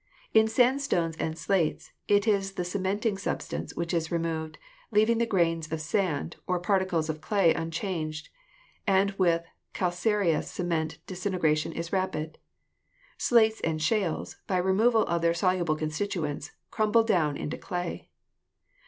In sandstones* and slates it is the cementing sub stance which is removed, leaving the grains of sand or particles of clay unchanged, and with calcareous cement disintegration is rapid. Slates and shales, by removal of their soluble constituents, crumble down into clay.